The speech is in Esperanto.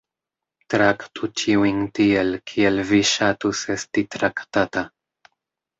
"Traktu ĉiujn tiel, kiel vi ŝatus esti traktata."